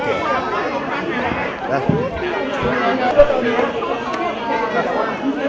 ต้องการติดต่อไปส่วนที่ไม่มีเวลา